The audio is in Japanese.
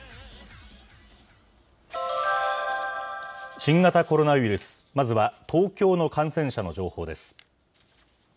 新型コロナウイルス、まずは東京の感染者の情報です。